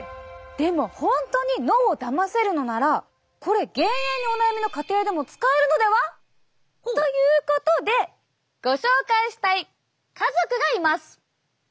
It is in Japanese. でも本当に脳をだませるのならこれ減塩にお悩みの家庭でも使えるのでは？ということでご紹介したい家族がいます！